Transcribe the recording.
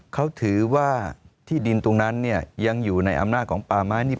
เขาถือว่าที่ดินตรงนั้นเนี่ยยังอยู่ในอำนาจของป่าไม้นี่